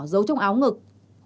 giấu trong áo ngực